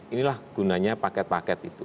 inilah gunanya paket paket itu